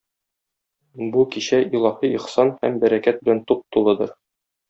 Бу кичә илаһи ихсан һәм бәрәкәт белән туп-тулыдыр.